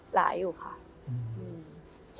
หลายอยู่ค่ะ